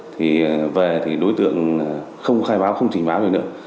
thì về thì đối tượng không khai báo không trình báo về nữa